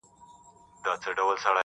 د لاسونو په پياله کې اوښکي راوړې~